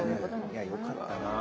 いやよかったな。